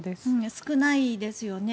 少ないですよね。